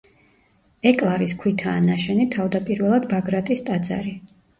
ეკლარის ქვითაა ნაშენი თავდაპირველად ბაგრატის ტაძარი.